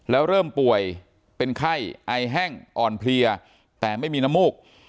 แล้วเริ่มป่วยเป็นไข้ไอแห้งอ่อนเพลียแต่ไม่มีน้ำมูก